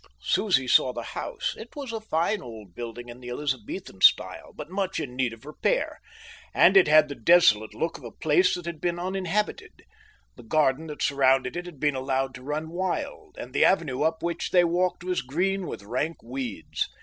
Susie saw the house. It was a fine old building in the Elizabethan style, but much in need of repair; and it had the desolate look of a place that has been uninhabited. The garden that surrounded it had been allowed to run wild, and the avenue up which they walked was green with rank weeds.